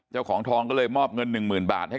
เจ้าของทองก็เลยมอบเงิน๑หมื่นบาท